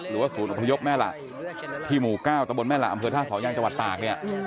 หรือว่าศูนย์อุปฏิยบแม่ละที่หมู่๙ตะบลแม่ละอำเภอ๕สอยางจังหวัดตาก